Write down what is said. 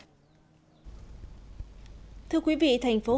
thưa quý vị thành phố hội an là nơi trồng quất nổi tiếng của tỉnh hà nội